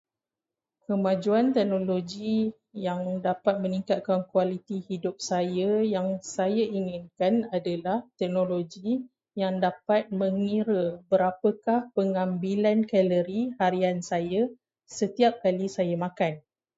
Kemajuan teknologi yang dapat meningkatkan kualiti hidup saya yang saya inginkan adalah teknologi yang dapat mengira berapakah pengambilan kalori harian saya setiap kali saya makan.